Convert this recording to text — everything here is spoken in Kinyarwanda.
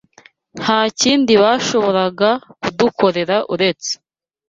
nta kindi bashoboraga kudukorera uretse